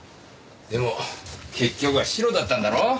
でも結局はシロだったんだろ？